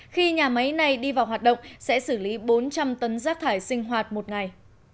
khi nhà máy này đi vào hoạt động sẽ xử lý bốn trăm linh tấn rác thải sinh hoạt một ngày